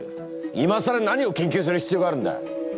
今更何を研究する必要があるんだ！